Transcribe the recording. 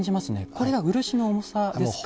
これは漆の重さですか？